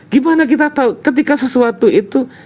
gimana kita tahu ketika sesuatu itu